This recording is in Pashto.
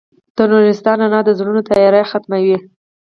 د نورستان رڼا د زړونو تیاره ختموي.